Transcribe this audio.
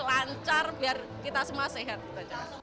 lancar biar kita semua sehat